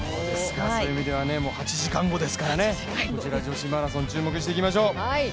そういう意味では８時間後ですから女子マラソン、注目していきましょう。